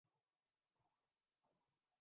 قومی تاریخ کے ہر موڑ پر یہ اختلاف مو جود رہا ہے۔